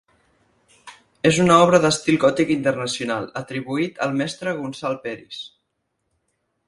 És una obra d'estil gòtic internacional, atribuït al mestre Gonçal Peris.